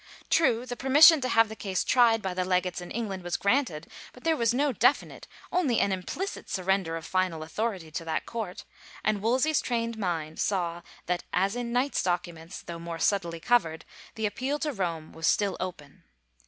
True the permission to have the case tried by the legates in England was granted, but there was no definite, only an implicit, surrender of final authority to that court, and Wolsey's trained mind saw that, as in Knight's documents, though more subtly covered, the ap peal to Rome was still open.